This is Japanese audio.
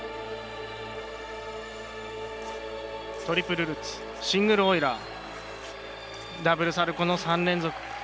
トリプルルッツシングルオイラーダブルサルコーの３連続。